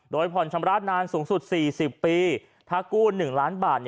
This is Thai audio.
โดยผ่อนชำระนานสูงสุด๔๐ปีถ้ากู้๑ล้านบาท